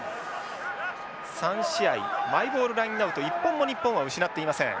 ３試合マイボールラインアウトを一本も日本は失っていません。